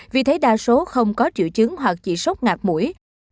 vì thế đa số không có triệu chứng hoặc chỉ sốc ngạc mũi